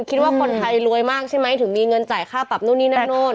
คิดว่าคนไทยรวยมากใช่ไหมถึงมีเงินจ่ายค่าปรับนู่นนี่นั่นนู่น